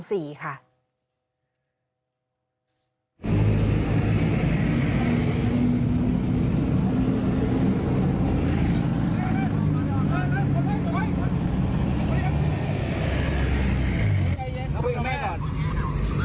เขาคุยกับแม่ก่อน